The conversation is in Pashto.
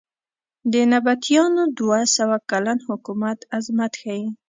د نبطیانو دوه سوه کلن حکومت عظمت ښیې.